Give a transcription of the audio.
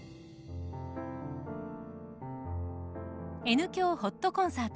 「Ｎ響ほっとコンサート」。